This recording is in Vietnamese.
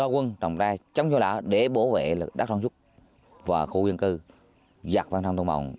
rồi ra quân trồng tre chống cho lỡ để bổ vệ đất sản xuất và khu dân cư giặt văn thông thông bồng